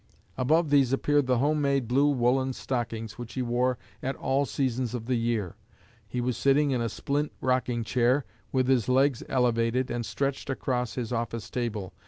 Above these appeared the home made blue woollen stockings which he wore at all seasons of the year. He was sitting in a splint rocking chair, with his legs elevated and stretched across his office table.